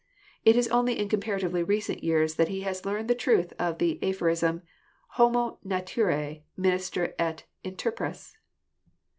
It is only in comparatively recent years that he has learned the truth of the aphorism, 'Homo Naturae minister et interpres.'